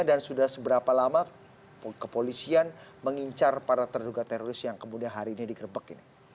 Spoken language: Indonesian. dan sudah seberapa lama kepolisian mengincar para terduga teroris yang kemudian hari ini digrebek